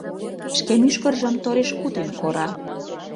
шке мӱшкыржым тореш-кутынь кора...